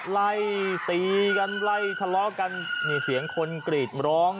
ไล่ตีกันไล่ทะเลาะกันนี่เสียงคนกรีดร้อง